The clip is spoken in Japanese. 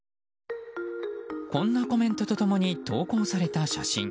こんなコメントと共に投稿された写真。